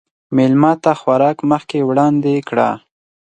مېلمه ته خوراک مخکې وړاندې کړه.